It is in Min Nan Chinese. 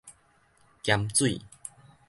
鹽水